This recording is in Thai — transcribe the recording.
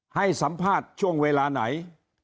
ให้สัมภาษณ์ช่วงเวลาไหน